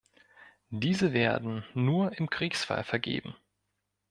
Diese werden nur im Kriegsfall vergeben.